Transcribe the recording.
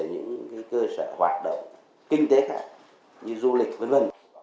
những cơ sở hoạt động kinh tế khác như du lịch v v